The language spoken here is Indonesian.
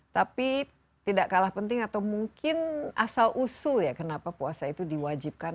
tapi tidak kalah penting atau mungkin asal usul ya kenapa puasa itu diwajibkan